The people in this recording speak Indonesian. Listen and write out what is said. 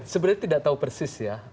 sebenarnya tidak tahu persis ya